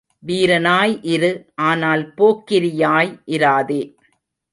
வீரனாய் இரு ஆனால் போக்கிரியாய் இராதே.